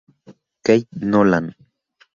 Kate Nolan.